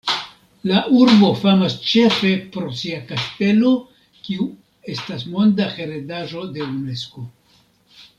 La urbo famas ĉefe pro sia kastelo, kiu estas monda heredaĵo de Unesko.